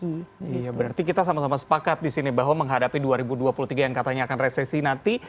iya berarti kita sama sama sepakat disini bahwa menghadapi dua ribu dua puluh tiga yang katanya akan resesi nanti